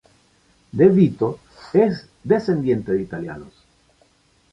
DeVito es descendiente de italianos.